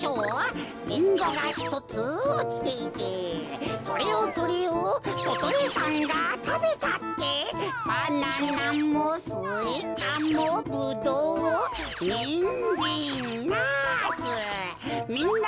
リンゴがひとつおちていてそれをそれをことりさんがたべちゃってバナナもスイカもブドウニンジンナスみんな